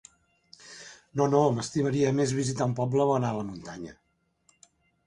No, no, m'estimaria més visitar un poble, o anar a la muntanya.